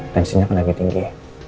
tensinya kan lagi tinggi